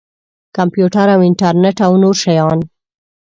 کمپیوټر او انټرنټ او نور شیان.